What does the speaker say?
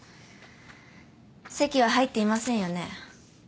籍は入っていませんよね？